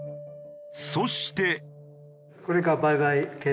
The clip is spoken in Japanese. そして。